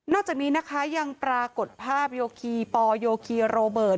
จากนี้นะคะยังปรากฏภาพโยคีปอโยคีโรเบิร์ต